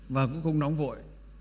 và cũng không nóng vội